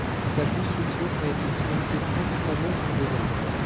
Sa construction a été financée principalement par des dons.